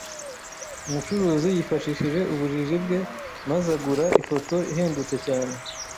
Umucuruzi yifashishije ubujiji bwe maze agura ifoto ihendutse cyane